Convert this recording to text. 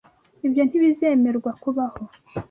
Ibyo ntibizemerwa kubaho.